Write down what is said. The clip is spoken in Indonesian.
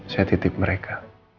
saya titip mereka